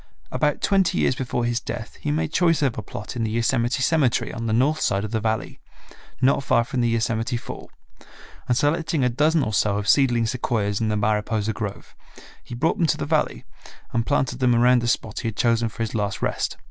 About twenty years before his death he made choice of a plot in the Yosemite cemetery on the north side of the Valley, not far from the Yosemite Fall, and selecting a dozen or so of seedling sequoias in the Mariposa grove he brought them to the Valley and planted them around the spot he had chosen for his last rest.